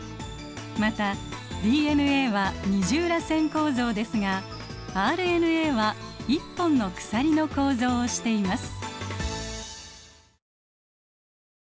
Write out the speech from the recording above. またＤＮＡは二重らせん構造ですがＲＮＡは１本の鎖の構造をしています。